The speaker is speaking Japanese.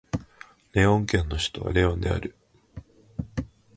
レオン県の県都はレオンである